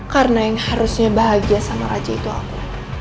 karena yang harusnya bahagia sama raja itu aku